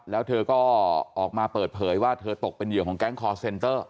แล้วเธอก็ออกมาเปิดเผยว่าเธอตกเป็นเหยื่อของแก๊งคอร์เซ็นเตอร์